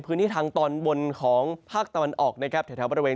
พื้นที่ทางตอนบนของภาคตะวันออกนะครับแถวบริเวณ